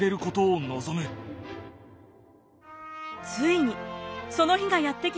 ついにその日がやって来ました。